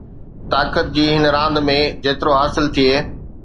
طاقت جي هن راند ۾ جيترو حاصل ٿئي